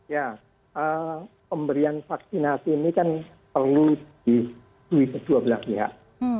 ya pemberian vaksinasi ini kan perlu di duit ke dua belas pihak